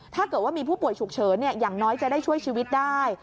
ถ้าเกิดว่ามีผู้ป่วยฉุกเฉินอย่างน้อยจะได้ช่วยชีวิตได้